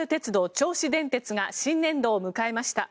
銚子電鉄が新年度を迎えました。